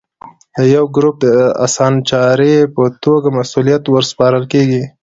د یوه ګروپ د اسانچاري په توګه مسوولیت ور سپارل کېږي.